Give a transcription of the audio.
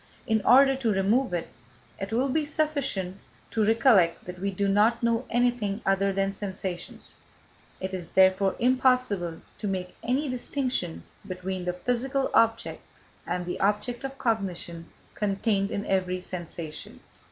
In order to remove it, it will be sufficient to recollect that we do not know anything other than sensations; it is therefore impossible to make any distinction between the physical object and the object of cognition contained in every sensation.